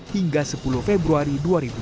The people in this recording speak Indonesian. hingga sepuluh februari dua ribu dua puluh